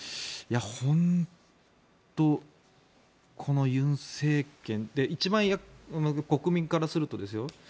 本当、この尹政権一番、国民からするとですよ